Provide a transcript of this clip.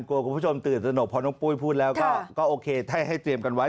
คุณผู้ชมตื่นสนกเพราะน้องปุ้ยพูดแล้วก็โอเคให้เตรียมกันไว้